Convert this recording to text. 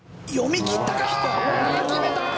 読み切った！